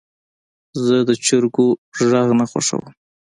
زه د چرګو غږ نه خوښوم.